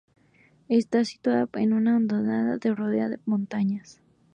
Está situado en una hondonada rodeada por montañas.